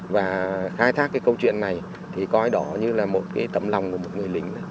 các cái câu chuyện này thì coi đó như là một cái tấm lòng của một người lính